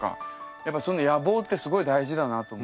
やっぱその野望ってすごい大事だなと思います。